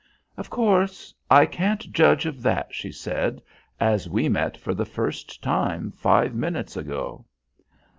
"Of course, I can't judge of that," she said, "as we met for the first time five minutes ago."